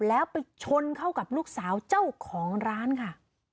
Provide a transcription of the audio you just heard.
แล้วไปชนเข้ากับลูกสาวเจ้าของร้านค่ะ